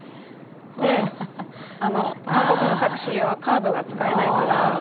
で「韓国のタクシーはカードが使えないから」って言って。